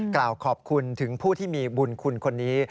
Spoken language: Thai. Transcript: กล่าวขอบคุณถึงผู้ที่มีบุญคุณคนนี้